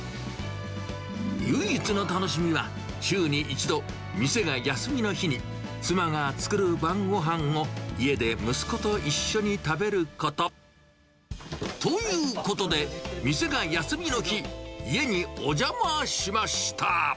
唯一の楽しみは、週に一度、店が休みの日に妻が作る晩ごはんを、家で息子と一緒に食べること。ということで、店が休みの日、家にお邪魔しました。